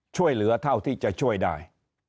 ช่วยเหลือเท่าที่จะช่วยได้